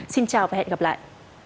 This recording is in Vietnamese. xin chào và hẹn gặp lại